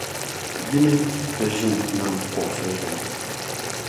yi ni ti ʒini nam kuɣisi zuɣu.